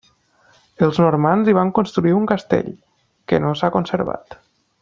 Els normands hi van construir un castell, que no s'ha conservat.